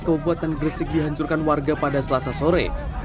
kabupaten gresik dihancurkan warga pada selasa sore